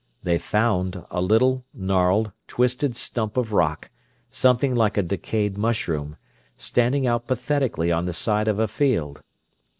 They found a little, gnarled, twisted stump of rock, something like a decayed mushroom, standing out pathetically on the side of a field.